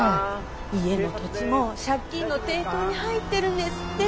家も土地も借金の抵当に入ってるんですって。